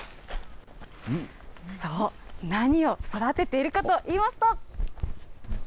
そう、何を育てているかといいますと。